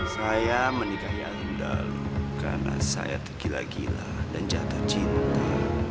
saya menikahi alun dalu karena saya tergila gila dan jatuh cinta